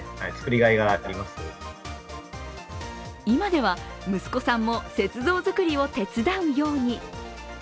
今では息子さんも雪像作りを手伝うように。